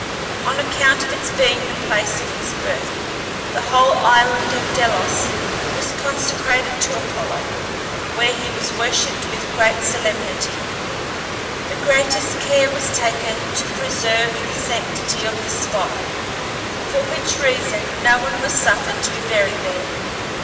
On account of its being the place of his birth, the whole island of Delos was consecrated to Apollo, where he was worshipped with great solemnity; the greatest care was taken to preserve the sanctity of the spot, for which reason no one was suffered to be buried there.